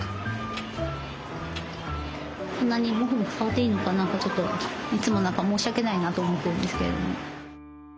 こんなにモフモフ触っていいのかな？ってちょっといつも何か申し訳ないなと思ってるんですけれど。